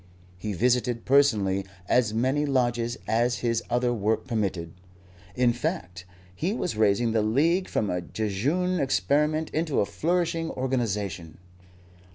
He visited personally as many lodges as his other work permitted. In fact, he was raising the League from a jejune experiment into a flourishing organization.